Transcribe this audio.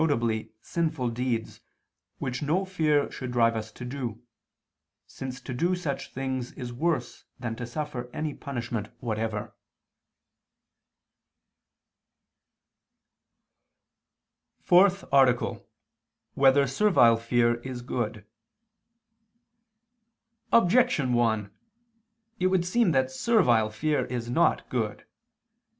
sinful deeds, which no fear should drive us to do, since to do such things is worse than to suffer any punishment whatever. _______________________ FOURTH ARTICLE [II II, Q. 19, Art. 4] Whether Servile Fear Is Good? Objection 1: It would seem that servile fear is not good.